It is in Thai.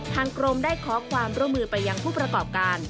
ทางกรมได้ขอความร่วมมือไปยังผู้ประกอบการ